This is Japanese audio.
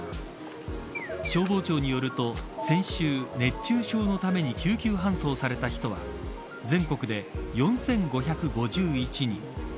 消防庁によると先週、熱中症のために救急搬送された人は全国で４５５１人。